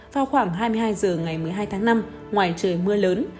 vào khoảng hai mươi hai h ngày một mươi hai tháng năm ngoài trời mưa lớn